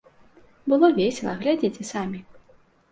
Было весела, глядзіце самі.